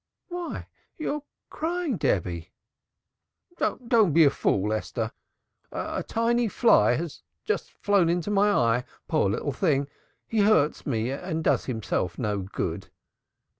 Why you're crying, Debby!" "Don't be a little fool, Esther! A tiny fly has just flown into my eye poor little thing! He hurts me and does himself no good."